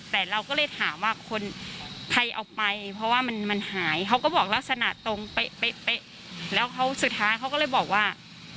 แต่เราก็เลยถามว่าคนใครเอาไปเพราะว่ามันหายเขาก็บอกลักษณะตรงเป๊ะแล้วเขาสุดท้ายเขาก็เลยบอกว่า